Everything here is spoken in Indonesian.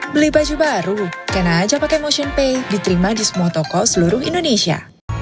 beli baju baru kena aja pake motionpay diterima di semua toko seluruh indonesia